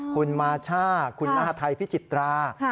คุณมาช่าคุณมหาทัยพิจิตรา